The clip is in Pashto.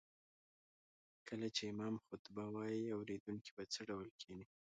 کله چې امام خطبه وايي اوريدونکي به څه ډول کيني